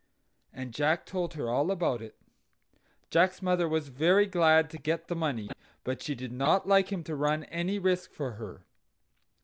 And Jack told her all about it. Jack's mother was very glad to get the money, but she did not like him to run any risk for her.